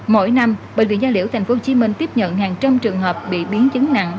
mỗi năm bệnh viện gia liễu tp hcm tiếp nhận hàng trăm trường hợp bị biến chứng nặng